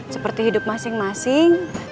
seperti hidup masing masing